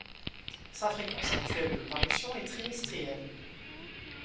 Sa fréquence actuelle de parution est trimestrielle.